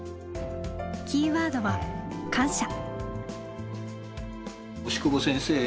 キーワードは「感謝」。